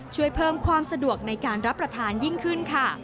ช่วยเพิ่มความสะดวกในการรับประทานยิ่งขึ้นค่ะ